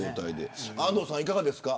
安藤さん、いかがですか。